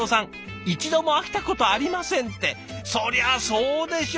そりゃそうでしょう！